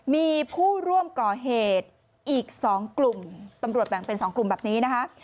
มีผู้ร่วมก่อเหตุอีก๒กลุ่มตำรวจแบ่งเป็น๒กลุ่มแบบนี้นะคะ